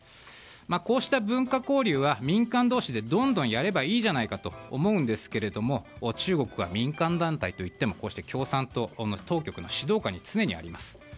こうした文化交流は民間同士でどんどんやればいいじゃないかと思うんですが中国は民間団体といっても共産党の当局の指導下に常にあります。